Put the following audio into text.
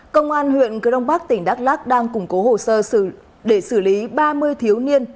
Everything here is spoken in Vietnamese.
công an huyện cơ đông bắc tỉnh đắk lắc đang củng cố hồ sơ để xử lý ba mươi thiếu niên